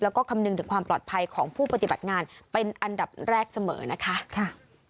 แล้วก็คำนึงถึงความปลอดภัยของผู้ปฏิบัติงานเป็นอันดับแรกเสมอนะคะ